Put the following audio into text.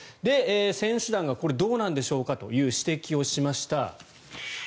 選手団がこれ、どうなんでしょうかという指摘をしました。